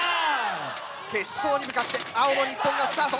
決勝に向かって青の日本がスタート。